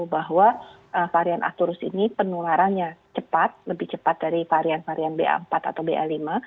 bahwa varian akturus ini penularannya cepat lebih cepat dari varian varian ba empat atau ba lima